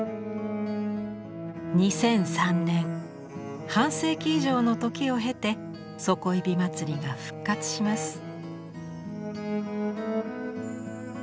２００３年半世紀以上の時を経て底井まつりが復活します。